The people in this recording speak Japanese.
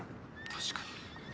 「確かに」。